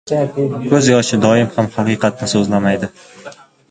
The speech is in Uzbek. • Ko‘z yoshi doim ham haqiqatni so‘zlamaydi.